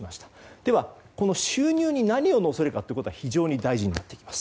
では、この収入に何を乗せるかが非常に大事になってきます。